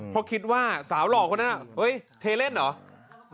เพราะคิดว่าสาวหล่อคนนั้นเฮ้ยเทเล่นเหรอ